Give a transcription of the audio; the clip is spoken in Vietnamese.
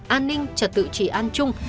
an ninh trật tự trị an chung